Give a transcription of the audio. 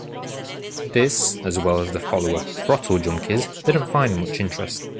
This, as well as the follower "Throttle Junkies", didn't find much interest.